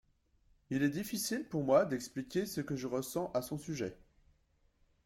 Il est difficile pour moi d'expliquer ce que je ressens à son sujet.